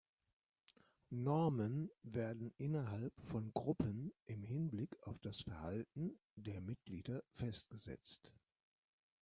Normen werden innerhalb von Gruppen im Hinblick auf das Verhalten der Mitglieder festgesetzt.